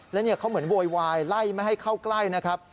แล้วเขาเหมือนโวยวายไล่ไม่ให้เข้าใกล้นะครับ